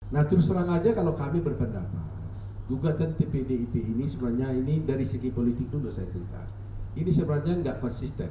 nah terus terang aja kalau kami berpendapat gugatan tpdip ini sebenarnya ini dari segi politik itu sudah saya cerita ini sebenarnya nggak konsisten